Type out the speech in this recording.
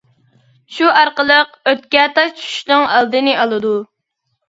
شۇ ئارقىلىق ئۆتكە تاش چۈشۈشنىڭ ئالدىنى ئالىدۇ.